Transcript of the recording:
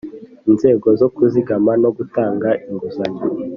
inzego zo kuzigama no gutanga inguzanyo.